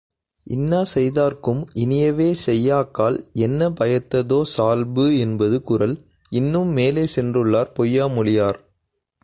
இன்னா செய்தார்க்கும் இனியவே செய்யாக்கால் என்ன பயத்ததோ சால்பு என்பது குறள், இன்னும் மேலே சென்றுள்ளார் பொய்யா மொழியார்.